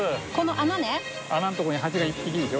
穴のところにハチが１匹いるでしょ？